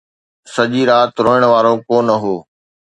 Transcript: سڄي رات روئڻ وارو ڪو نه هو